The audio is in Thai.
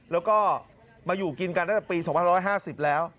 แล้วก็มาอยู่กินกันตั้งแต่ปี๒๕๕๐แล้ว